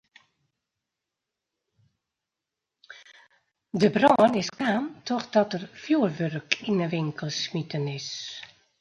De brân is kaam trochdat der fjurwurk yn de winkel smiten is.